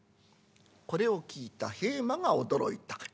これを聞いた平馬が驚いた。